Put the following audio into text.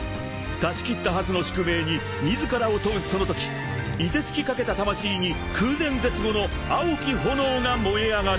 ［断ち切ったはずの宿命に自らを問うそのときいてつきかけた魂に空前絶後の青き炎が燃え上がる］